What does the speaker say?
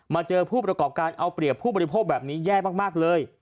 เจอผู้ประกอบการเอาเปรียบผู้บริโภคแบบนี้แย่มากเลย